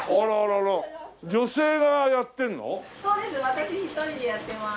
私一人でやってます。